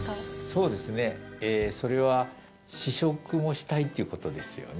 そうですね、それは、試食もしたいということですよね？